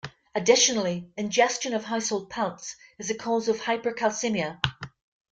Additionally, ingestion of household plants is a cause of hypercalcemia.